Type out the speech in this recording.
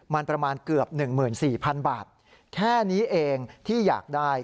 มันประมาณเกือบ๑๔๐๐๐บาทแค่นี้เองที่อยากได้